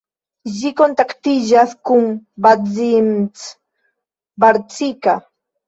Ĝi kontaktiĝas kun Kazincbarcika.